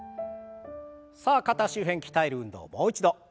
さあ肩周辺鍛える運動もう一度。